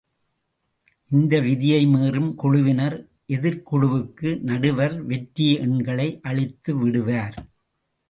இந்த விதியை மீறும் குழுவினர் எதிர்க்குழுவுக்கு நடுவர் வெற்றி எண்களை அளித்து விடுவார்.